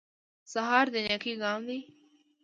سهار د نېکۍ ګام دی.